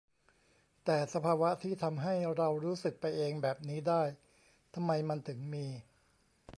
แต่สภาวะที่ทำให้เรารู้สึกไปเองแบบนี้ได้ ทำไมมันถึงมี ?